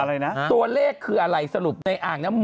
อะไรนะตัวเลขคืออะไรสรุปในอ่างน้ำมน